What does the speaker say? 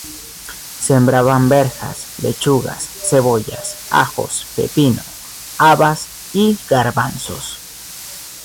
Sembraban berzas, lechugas, cebollas, ajos, pepino, habas y garbanzos.